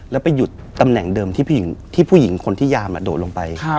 แล้วไปหยุดตำแหน่งเดิมที่ผู้หญิงคนที่ยามโดดลงไป